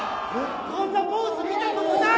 こんなポーズ見たことない！